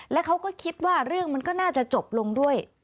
แล้วเขาก็คิดว่าเรื่องมันก็น่าจะจบลงด้วย